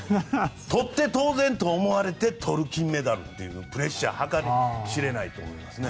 取って当然と思われて取る金メダルというプレッシャーは計り知れないと思います。